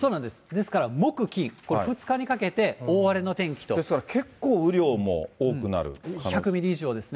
ですから木、金、この２日にかけて大荒れの天ですから、結構雨量も多くな１００ミリ以上ですね。